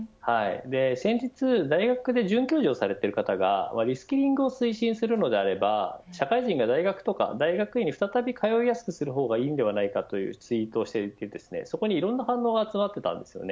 先日、大学で准教授をされている方がリスキリングを推進するなら社会人が大学とか大学院に再び通いやすくする方がいいというツイートをしていていろんな反応が集まっていました。